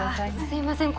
すいません